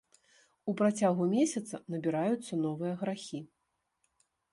У працягу месяца набіраюцца новыя грахі.